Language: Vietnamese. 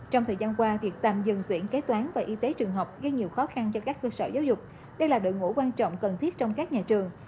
trong thời gian qua việc tạm dừng tuyển kế toán và y tế trường học gây nhiều khó khăn cho các cơ sở giáo dục đây là đội ngũ quan trọng cần thiết trong các nhà trường